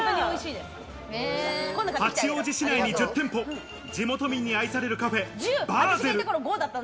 八王子市内に１０店舗、地元民に愛されるカフェバーゼル。